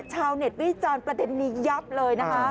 ชาวเน็ตวิจารณ์ประเด็นนี้ยับเลยนะคะ